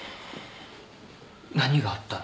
何があったの？